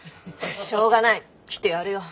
しょうがない来てやるよ。